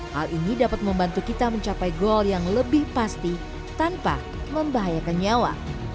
hal ini dapat membantu kita mencapai gol yang lebih pasti tanpa membahayakan nyawa